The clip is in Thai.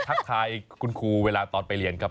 ทักทายคุณครูเวลาตอนไปเรียนครับ